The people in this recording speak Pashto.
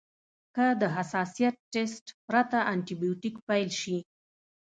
که د حساسیت ټسټ پرته انټي بیوټیک پیل شي.